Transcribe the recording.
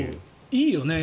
いいよね。